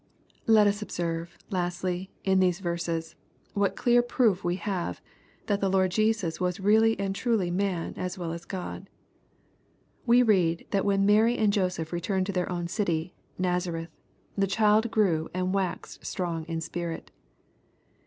Let us observe, lastly, in these verses, what clear proof we have that the Lord Jesua was really and truly maUy as well as God. We read, that when Mary and Joseph returned to their own city Nazareth, "the child grew and waxed strong in spirit."